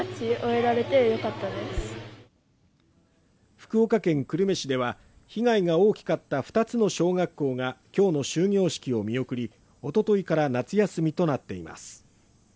福岡県久留米市では、被害が大きかった二つの小学校が今日の終業式を見送り、おとといから夏休みとなっています。